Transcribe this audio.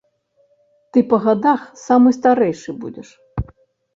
Ты па гадах самы старэйшы будзеш.